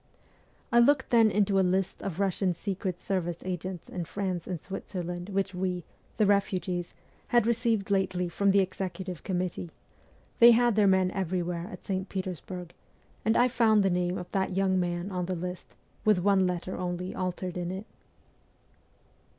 I looked then into a list of Russian secret service agents in France and Switzerland which we, the refugees, had received lately from the Executive Com mittee they had their men everywhere at St. Peters burg and I found the name of that young man on the list, with one letter only altered in it.